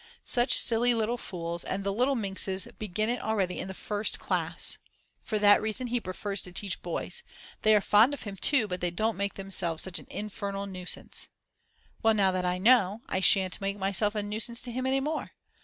Such silly little fools, and the little minxes begin it already in the First Class. For that reason he prefers to teach boys, they are fond of him too but they don't make themselves such an infernal nuisance. Well, now that I know I shant make myself a nuisance to him any more.